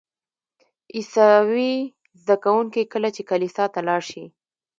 عیسوي زده کوونکي کله چې کلیسا ته لاړ شي.